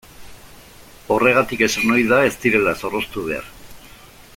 Horregatik esan ohi da ez direla zorroztu behar.